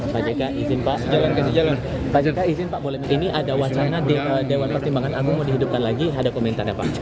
pak jk izin pak ini ada wacana dewan pertimbangan agung mau dihidupkan lagi ada komentar pak